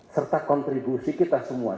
serta kontribusi kita semua